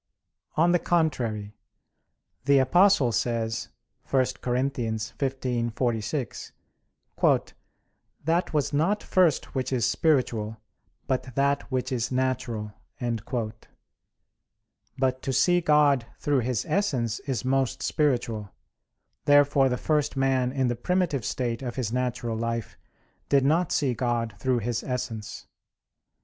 On the contrary, The Apostle says (1 Cor. 15:46): "That was not first which is spiritual, but that which is natural." But to see God through His Essence is most spiritual. Therefore the first man in the primitive state of his natural life did not see God through His Essence.